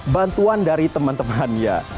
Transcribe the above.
bantuan dari teman temannya